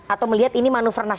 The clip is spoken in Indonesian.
atau melihat ini manuverasi